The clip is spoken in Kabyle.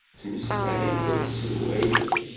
Temmeslay akked tselwayt.